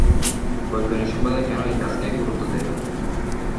বৈজ্ঞানিক সম্প্রদায় কেন এই কাজকে গুরুত্ব দেয়?